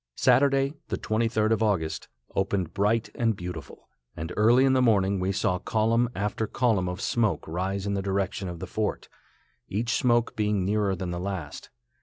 Saturday, the 23d of August, opened bright and beautiful, and early in the morning we saw column after column of smoke rise in the direction of the fort, each smoke being nearer than the last.